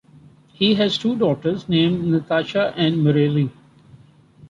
He has two daughters named Natasha and Marielle.